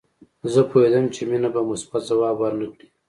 زه پوهېدم چې مينه به مثبت ځواب ورنه کړي